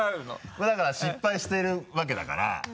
まぁだから失敗してるわけだから。